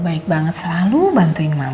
baik banget selalu bantuin mama